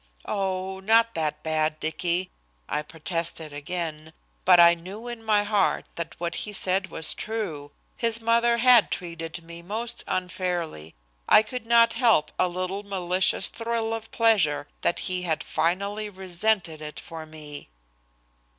"Oh! not that bad, Dicky," I protested again, but I knew in my heart that what he said was true. His mother had treated me most unfairly. I could not help a little malicious thrill of pleasure that he had finally resented it for me.